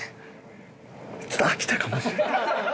ちょっと飽きたかもしれない。